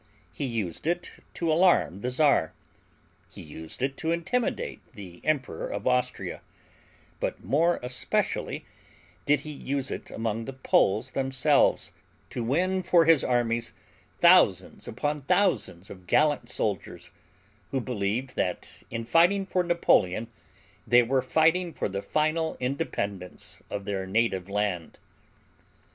He used it to alarm the Czar. He used it to intimidate the Emperor of Austria; but more especially did he use it among the Poles themselves to win for his armies thousands upon thousands of gallant soldiers, who believed that in fighting for Napoleon they were fighting for the final independence of their native land.